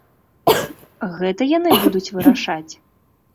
Гэта яны будуць вырашаць?